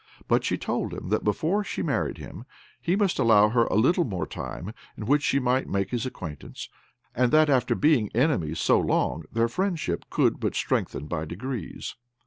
But she told him that before she married him he must allow her a little more time, in which she might make his acquaintance, and that, after being enemies so long, their friendship could but strengthen by degrees.